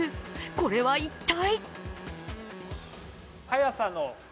これは一体？